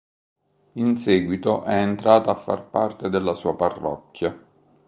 In seguito è entrata a far parte della sua parrocchia.